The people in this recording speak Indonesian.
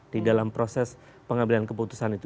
di dalam proses pengambilan keputusan itu